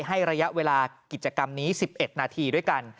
ระยะเวลากิจกรรมนี้๑๑นาทีด้วยกัน